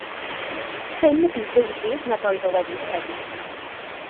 Prin y bu ddeuddydd nad oedd o wedi'n credu ni.